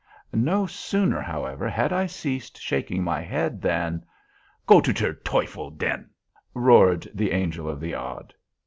No sooner, however, had I ceased shaking my head than— "Go to der teuffel, ten!" roared the Angel of the Odd.